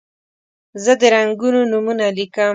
زه د رنګونو نومونه لیکم.